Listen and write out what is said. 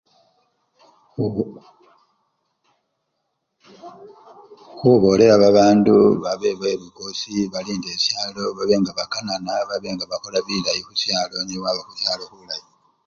Khubolela babandu babe belukosi, balinde esyalo babe nga bakanana, babe ngabalinda lukosi esyalo nebabe khusyalo bulayi.